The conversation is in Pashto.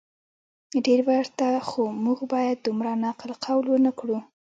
ډیر ورته خو موږ باید دومره نقل قول ونه کړو